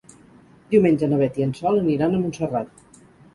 Diumenge na Beth i en Sol aniran a Montserrat.